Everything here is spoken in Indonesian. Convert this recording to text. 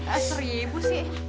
eh seribu sih